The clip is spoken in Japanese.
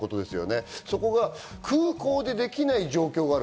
そこが空港でできない状況がある。